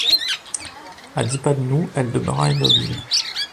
À dix pas de nous, elle demeura immobile.